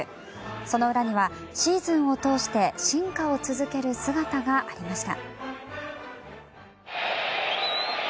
その裏にはシーズンを通して進化を続ける姿がありました。